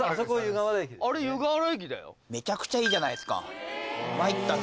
めちゃくちゃいいじゃないですか参ったな。